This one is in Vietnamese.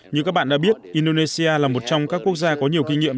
như các bạn đã biết indonesia là một trong các quốc gia có nhiều kinh nghiệm